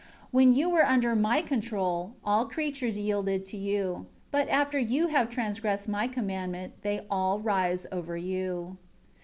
4 When you were under My control, all creatures yielded to you; but after you have transgressed My commandment, they all rise over you."